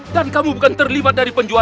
dan kamu bukan terlibat dari penjualan